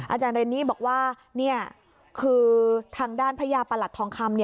อาจารย์เรนนี่บอกว่าคือทางด้านพระยาประหลัดทองคำ